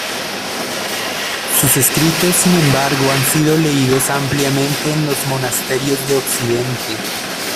Sus escritos, sin embargo, han sido leídos ampliamente en los monasterios de Occidente.